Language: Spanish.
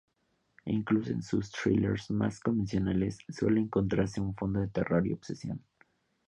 Incluso en sus thrillers más "convencionales" suele encontrarse un fondo de terror y obsesión.